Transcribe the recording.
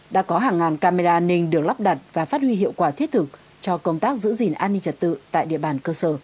đã có hàng ngàn camera an ninh được lắp đặt và phát huy hiệu quả thiết thực cho công tác giữ gìn an ninh trật tự tại địa bàn cơ sở